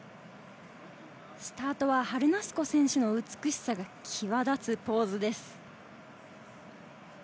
スタートはハルナスコ選手の美しさが際立つポーズです。